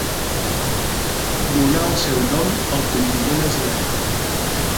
Donà el seu nom al continent asiàtic.